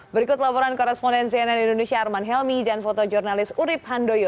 berikut laporan koresponden cnn indonesia arman helmi dan foto jurnalis urip handoyo